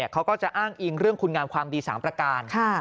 เขาก็จะอ้างอิงเรื่องคุณงามความดี๓ประการ